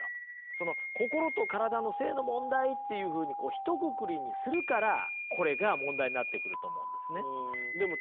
その心と体の性の問題というふうにこうひとくくりにするからこれが問題になってくると思うんですね。